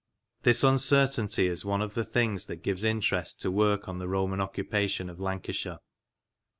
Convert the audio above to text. This uncertainty is one of the things that gives interest to work on the Roman occupation of Lancashire.